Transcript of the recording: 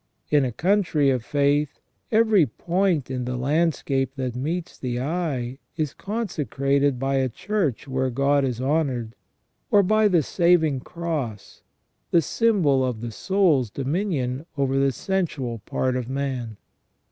In a country of faith, every point in the landscape that meets the eye is consecrated by a Church where God is honoured, or by the saving Cross, the symbol of the soul's dominion over the sensual part of man.